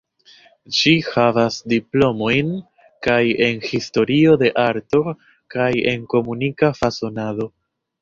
Ŝi havas diplomojn kaj en Historio de Arto kaj en Komunika Fasonado.